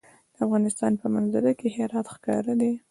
د افغانستان په منظره کې هرات ښکاره ده.